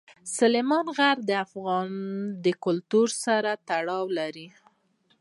سلیمان غر د افغان کلتور سره تړاو لري.